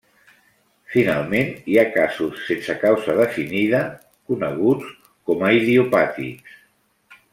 Finalment, hi ha casos sense causa definida, coneguts com a idiopàtics.